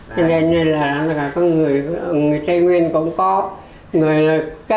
cho nên là có người tây nguyên cũng có người các là đối với dân tộc ấy